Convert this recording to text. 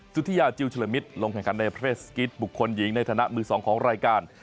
สุธิยาจิลเฉลมิตยังโชว์ฟอร์มดีลงแข่งกันในประเทศกิจบุคคลหญิงในฐานะมือ๒ของรายการ